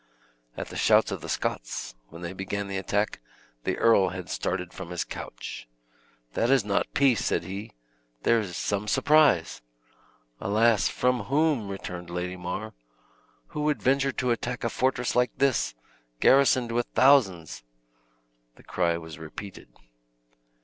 At the shouts of the Scots, when they began the attack, the earl had started from his couch. "That is not peace!" said he; "there is some surprise!" "Alas, from whom?" returned Lady Mar; "who would venture to attack a fortress like this, garrisoned with thousands?" The cry was repeated.